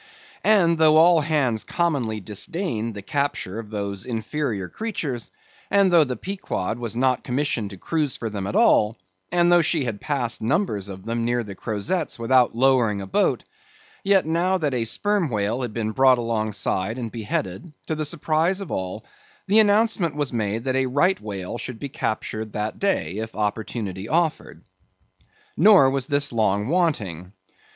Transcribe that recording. And though all hands commonly disdained the capture of those inferior creatures; and though the Pequod was not commissioned to cruise for them at all, and though she had passed numbers of them near the Crozetts without lowering a boat; yet now that a Sperm Whale had been brought alongside and beheaded, to the surprise of all, the announcement was made that a Right Whale should be captured that day, if opportunity offered. Nor was this long wanting.